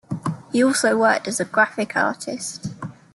He also worked as a graphic artist.